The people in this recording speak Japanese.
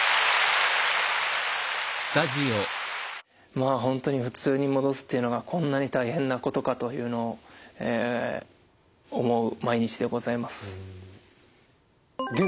まあ本当に普通に戻すっていうのがこんなに大変なことかというのを思う毎日でございます。